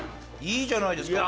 いいじゃないですか